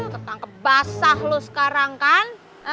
ketangke basah lu sekarang kan